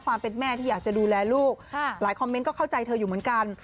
แม่ที่อยากจะดูแลลูกหลายคอมเมนต์ก็เข้าใจเธออยู่เหมือนกัน